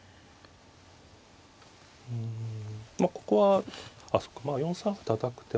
うんまあここはあっそっか４三歩たたく手も。